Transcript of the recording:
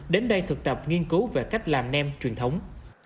đến đây thực tập nghiên cứu về cách làm nem truyền thống